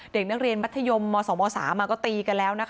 เด็กนักเรียนมัธยมม๒ม๓มาก็ตีกันแล้วนะคะ